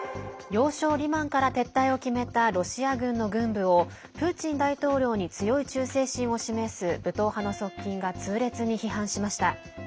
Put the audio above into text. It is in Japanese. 要衝リマンから撤退を決めたロシア軍の軍部をプーチン大統領に強い忠誠心を示す武闘派の側近が痛烈に批判しました。